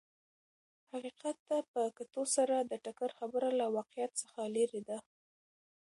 حقیقت ته په کتو سره د ټکر خبره له واقعیت څخه لرې ده.